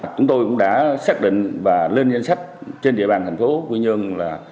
chúng tôi cũng đã xác định và lên danh sách trên địa bàn thành phố quy nhơn là